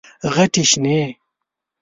غټي شنې،